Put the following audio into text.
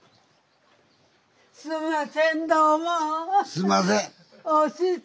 すんません。